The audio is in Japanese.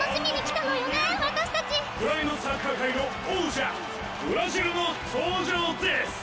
「ブラインドサッカー界の王者ブラジルの登場です！」。